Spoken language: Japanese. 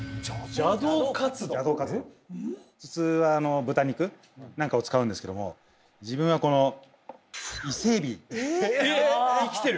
邪道カツ丼普通は豚肉なんかを使うんですけども自分はこのえっ生きてる！